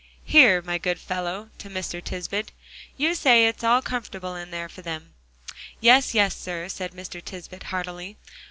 "Here, my good fellow," to Mr. Tisbett, "you say it's all comfortable in there for them?" "Yes, yes, sir," said Mr. Tisbett heartily.